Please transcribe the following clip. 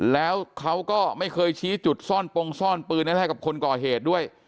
แล้วเขาก็ไม่เคยชี้จุดซ่อนปงซ่อนปืนอะไรให้กับคนก่อเหตุด้วย